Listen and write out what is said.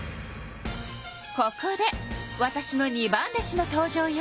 ここでわたしの二番弟子の登場よ。